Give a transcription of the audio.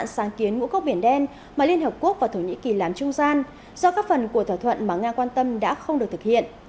nga đã đồng ý giãn kiến ngũ cốc biển đen mà liên hợp quốc và thổ nhĩ kỳ làm trung gian do các phần của thỏa thuận mà nga quan tâm đã không được thực hiện